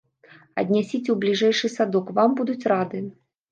Аднясіце ў бліжэйшы садок, вам будуць рады.